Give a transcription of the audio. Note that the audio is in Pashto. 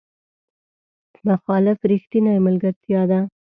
مخالفت رښتینې ملګرتیا ده.